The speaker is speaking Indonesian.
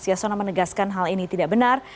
yasona menegaskan hal ini tidak benar